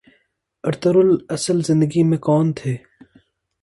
Ertugrul اصل زندگی میں کون تھے